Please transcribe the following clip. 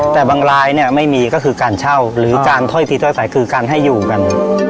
แต่บางลายไม่มีก็คือการเช่าหรือการพ่อยใส่คือการให้อยู่กัน